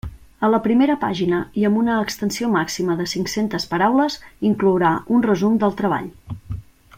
A la primera pàgina i amb una extensió màxima de cinc-centes paraules inclourà un resum del treball.